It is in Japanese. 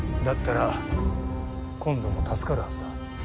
だったら今度も助かるはずだ。